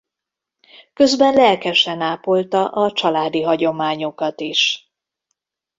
Közben lelkesen ápolta a családi hagyományokat is.